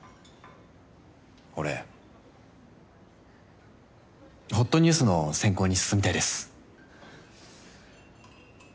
俺ほっとニュースの選考に進みたいです。